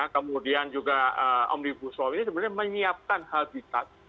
kemudian juga omnibus law ini sebenarnya menyiapkan habitat